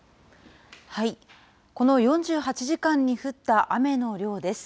この４８時間に降った雨の量です。